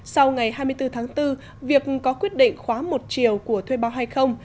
sau ngày hai mươi bốn tháng bốn việc có quyết định khóa một chiều của thuê bao hay không